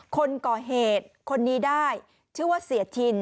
คนก่อเหตุคนนี้ได้ชื่อว่าเสียทิน